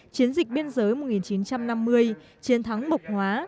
chiến dịch biên giới một nghìn chín trăm năm mươi chiến thắng mộc hóa